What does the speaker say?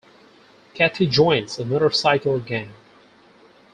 Cathy joins a motorcycle gang.